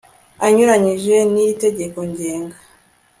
anyuranyije n iri tegeko ngenga